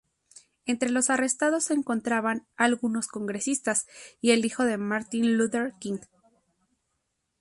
Entre los arrestados se encontraban algunos congresistas y el hijo de Martin Luther King.